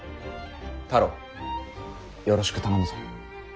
太郎よろしく頼むぞ。